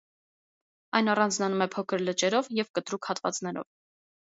Այն առանձնանում է փոքր լճերով և կտրուկ հատվածներով։